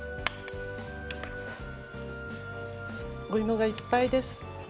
お芋がいっぱいです。